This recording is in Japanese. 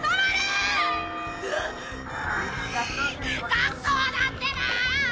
学校だってば！